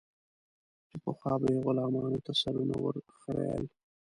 چې پخوا به یې غلامانو ته سرونه ور خرئېل.